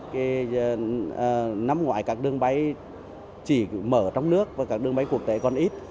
cái năm ngoái các đường bay chỉ mở trong nước và các đường bay quốc tế còn ít